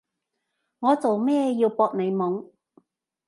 我做咩要搏你懵？